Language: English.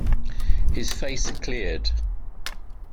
His face cleared.